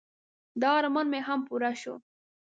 د ارمان مې هم پوره شو.